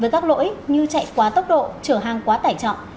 với các lỗi như chạy quá tốc độ trở hàng quá tải trọng